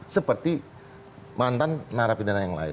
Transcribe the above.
seperti mantan narapidana yang lain